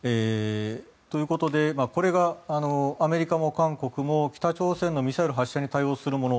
ということでこれがアメリカも韓国も北朝鮮のミサイル発射に対応するもの